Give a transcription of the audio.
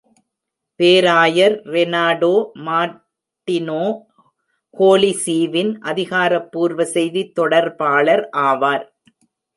பேராயர் ரெனாடோ மார்டினோ ஹோலி சீவின் அதிகாரப்பூர்வ செய்தித் தொடர்பாளர் ஆவார்.